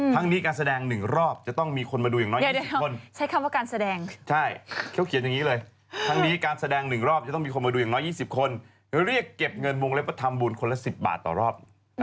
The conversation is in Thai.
ทั้งนี้การแสดง๑รอบจะต้องมีคนมาดูอย่างน้อย๒๐คนเรียกเก็บเงินวงเรียบประธับภาพบูรณ์คนละ๑๐บาทต่อรอบ